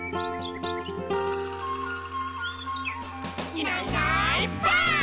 「いないいないばあっ！」